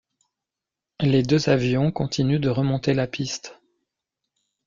Les deux avions continuent de remonter la piste.